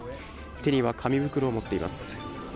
手には紙袋を持っています。